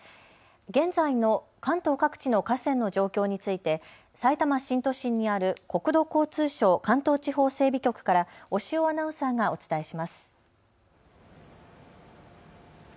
現在の関東各地の河川の状況についてさいたま新都心にある国土交通省関東地方整備局から押尾アナウンサーがお伝えします。